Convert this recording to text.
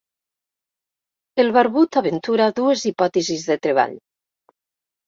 El barbut aventura dues hipòtesis de treball.